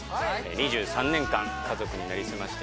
２３年間家族に成り済ましてきた